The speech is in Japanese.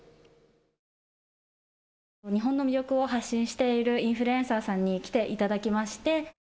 日本の魅力を発信しているインフルエンサーさんに来ていただきまして。